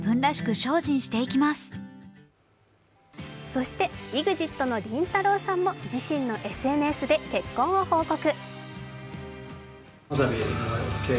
そしてＥＸＩＴのりんたろーさんも自身のＳＮＳで結婚を報告。